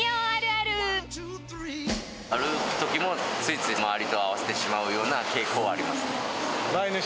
歩くときも、ついつい周りと合わせてしまうような傾向ありますね。